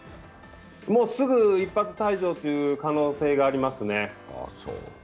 すぐ一発退場という可能性がありますね。